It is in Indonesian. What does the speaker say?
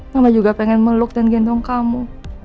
mama juga pengen meluk dan gendong kamu